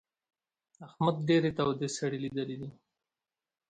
احمد ډېرې تودې سړې ليدلې دي.